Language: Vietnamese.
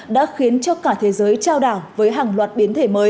đã khiến cho cả thế giới trao đảo với hàng loạt biến thể mới